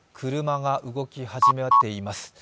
車が動き始めています。